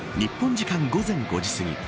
時間午前５時すぎ